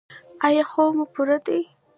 ایا خوب مو پوره دی؟